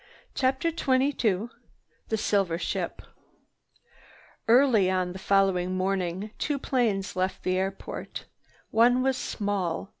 CHAPTER XXII THE SILVER SHIP Early on the following morning two planes left the airport. One was small.